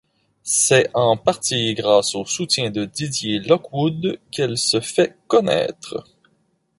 C'est en partie grâce au soutien de Didier Lockwood qu'elle se fait connaître.